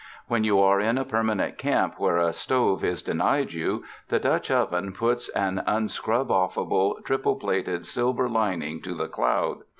When you are in a permanent camp where a stove is denied you, the Dutch oven puts an unscrub off able, triple plated silver lining to the cloud.